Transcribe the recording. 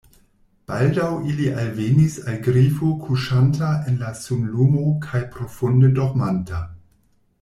Baldaŭ ili alvenis al Grifo kuŝanta en la sunlumo kaj profunde dormanta.